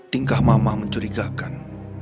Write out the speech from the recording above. tingkah mama mencurigakan